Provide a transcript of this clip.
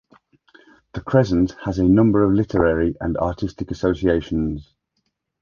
The crescent has a number of literary and artistic associations.